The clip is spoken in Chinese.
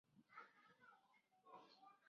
赞岐津田站的铁路车站。